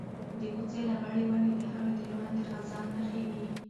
د کوڅې لغړې ونې د هغې د ژوند د خزان نښې وې.